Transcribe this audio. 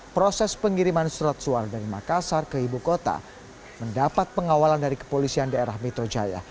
proses pengiriman surat suara dari makassar ke ibu kota mendapat pengawalan dari kepolisian daerah metro jaya